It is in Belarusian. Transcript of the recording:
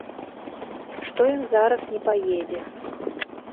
Што ён зараз не паедзе.